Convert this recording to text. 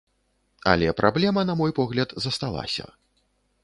Але праблема, на мой погляд, засталася.